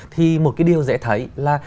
thì một cái điều dễ thấy là